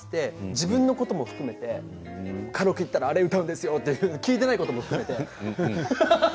自分のことも含めてカラオケに行ったらあれを歌うんですよとか聞いてないことばっかり。